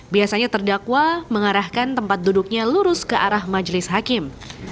biasanya terdakwa mengarahkan tempat duduknya lurus ke arah majelis hakim